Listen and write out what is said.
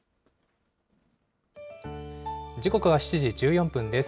時刻は７時１４分です。